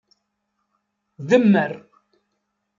Demmer.